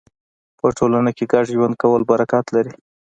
په ټولنه کې ګډ ژوند کول برکت لري.